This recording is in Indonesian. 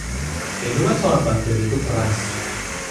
Kehidupan seorang bankir itu keras.